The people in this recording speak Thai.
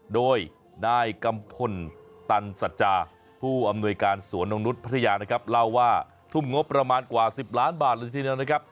โดยนายกัมพลตันสัจจาผู้อำนวยการสวนนกนุษย์พัทยานะครับเล่าว่าทุ่มงบประมาณกว่า๑๐ล้านบาทเลยทีเดียวนะครับ